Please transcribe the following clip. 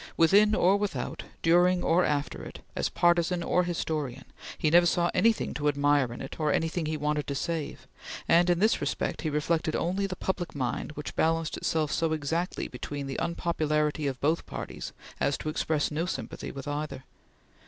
Within or without, during or after it, as partisan or historian, he never saw anything to admire in it, or anything he wanted to save; and in this respect he reflected only the public mind which balanced itself so exactly between the unpopularity of both parties as to express no sympathy with either.